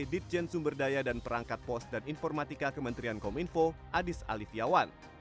dipjen sumberdaya dan perangkat post dan informatika kementerian kominfo adis alif yawan